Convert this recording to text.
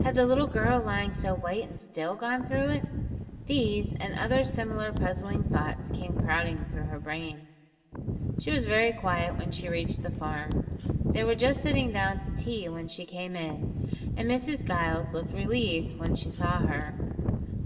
Had the little girl lying so white and still gone through it? These and other similar puzzling thoughts came crowding through her brain. She was very quiet when she reached the farm. They were just sitting down to tea when she came in, and Mrs. Giles looked relieved when she saw her.